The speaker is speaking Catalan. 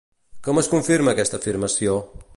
Com es confirma aquesta afirmació?